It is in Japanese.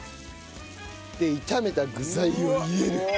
で炒めた具材を入れる。